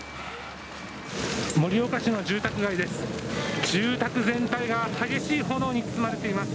盛岡市の住宅街です。